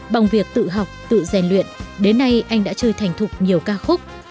bằng việc tự học tự rèn luyện đến nay anh đã chơi thành thục nhiều ca khúc